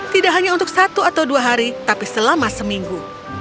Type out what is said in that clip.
tidak hanya untuk satu atau dua hari tapi selama seminggu